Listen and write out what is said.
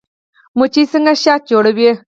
مچۍ څنګه شات جوړوي؟